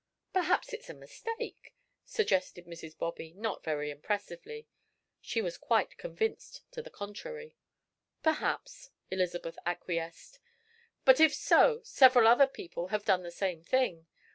"Perhaps it's a mistake," suggested Mrs. Bobby, not very impressively. She was quite convinced to the contrary. "Perhaps," Elizabeth acquiesced, "but if so, several other people have done the same thing.